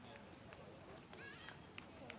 สวัสดีครับทุกคน